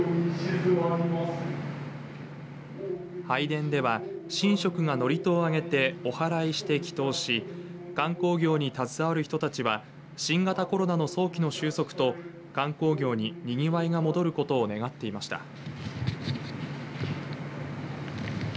拝殿では、神職が祝詞をあげておはらいして祈とうし観光業に携わる人たちは新型コロナの早期の終息と観光業ににぎわいが戻ることを願っていました。